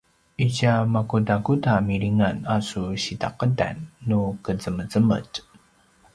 itja makudakuda milingan a su sitaqedan nu qezemezemetj?